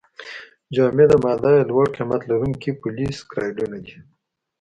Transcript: جامد ماده یې لوړ قیمت لرونکي پولې سکرایډونه دي.